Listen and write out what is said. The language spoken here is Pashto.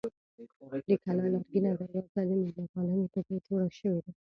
د کلا لرګینه دروازه د مېلمه پالنې په دود جوړه شوې وه.